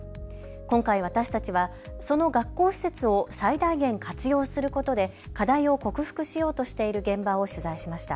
今回、私たちはその学校施設を最大限活用することで課題を克服しようとしている現場を取材しました。